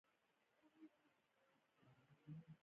علي ټوله ورځ د خلکو غیبتونه کوي، هسې بې ځایه خپل عاقبت خرابوي.